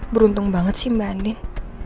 beruntung banget sih mbak anin